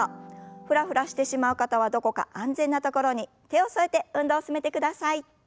フラフラしてしまう方はどこか安全な所に手を添えて運動を進めてください。